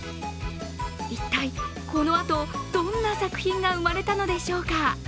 一体、このあと、どんな作品が生まれたのでしょうか。